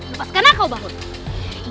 lepaskanlah kau baulah